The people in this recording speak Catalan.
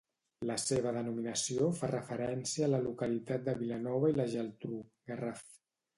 La seva denominació fa referència a la localitat de Vilanova i la Geltrú, Garraf.